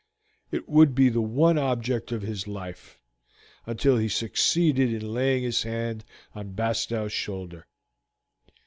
It would be the one object of his life, until he succeeded in laying his hand on Bastow's shoulder.